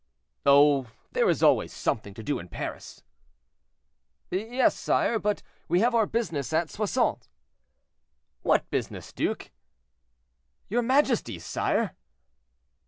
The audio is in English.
"Oh! there is always something to do in Paris." "Yes, sire; but we have our business at Soissons." "What business, duke?" "Your majesty's, sire."